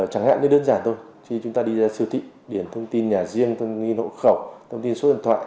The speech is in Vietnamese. chẳng hạn như đơn giản thôi khi chúng ta đi ra siêu thị điển thông tin nhà riêng thông nghi hộ khẩu thông tin số điện thoại